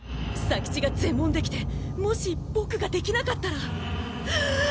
左吉が全問できてもしボクができなかったら。